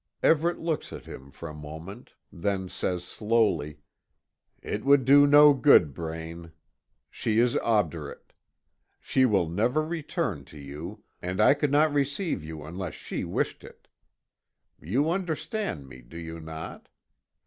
Everet looks at him for a moment, then says slowly: "It would do no good, Braine. She is obdurate. She will never return to you, and I could not receive you unless she wished it. You understand me, do you not?